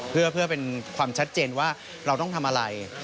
เพื่อเป็นความชัดเจนว่าเราต้องทำอะไร